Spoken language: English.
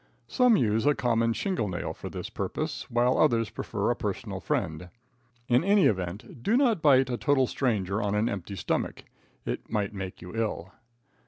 Some use a common shingle nail for this purpose, while others prefer a personal friend. In any event, do not bite a total stranger on an empty stomach. It might make you ill.